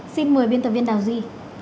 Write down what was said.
xin mời biên tập viên đào duy